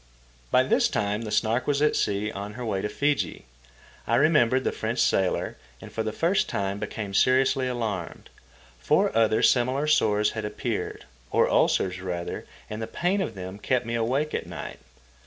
By this time the Snark was at sea on her way to Fiji. I remembered the French sailor, and for the first time became seriously alarmed. Four other similar sores had appeared—or ulcers, rather, and the pain of them kept me awake at night.